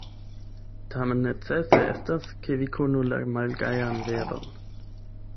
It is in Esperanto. Tamen necese estas, ke vi konu la malgajan veron.